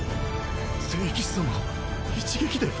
聖騎士様を一撃で。